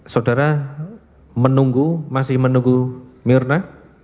saudara menunggu masih menunggu mirna